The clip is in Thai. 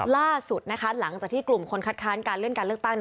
ล่าสุดหลังจากที่กลุ่มคนคัดค้านการเลื่อนการเลือกตั้ง